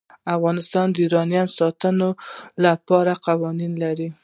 افغانستان د یورانیم د ساتنې لپاره قوانین لري.